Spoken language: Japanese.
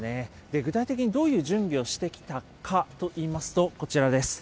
具体的にどういう準備をしてきたかといいますと、こちらです。